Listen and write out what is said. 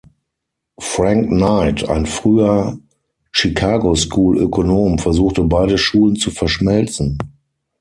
Frank Knight, ein früher Chicago school Ökonom versuchte beide Schulen zu verschmelzen.